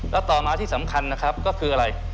แล้วต่อมาที่สำคัญนะครับก็คืออะไร